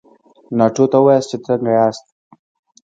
ناټو ته ووایاست چې څنګه ياست؟